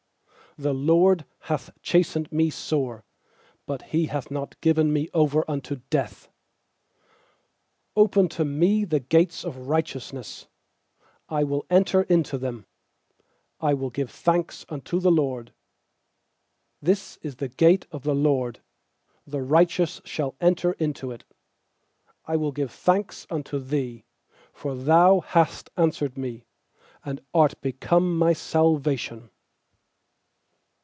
18The LORD hath chastened me sore; But He hath not given me over unto death. 190pen to me the gates of righteous I will enter into them, I will give thanks unto the LORD. 20This is the gate of the LORD; The righteous shall enter into it. S61 118 21 PSALMS 21I will give thanks unto Thee, for Thou hast answered me, And art become my salvation.